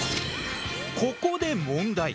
ここで問題。